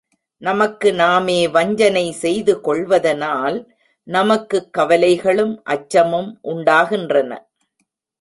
நமக்கு நாமே வஞ்சனை செய்து கொள்வதனால் நமக்குக் கவலைகளும் அச்சமும் உண்டாகின்றன.